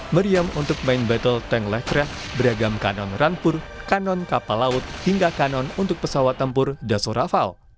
meriam untuk main battle tank leverack beragam kanal rampur kanon kapal laut hingga kanon untuk pesawat tempur daso raval